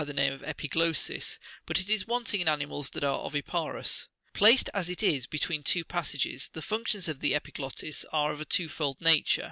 Chap. 67.] THE KECK. 63 name of " epiglossis," 57 but it is wanting in animals that are oviparous. Placed as it is between two passages, the functions of the epiglottis are of a twofold nature.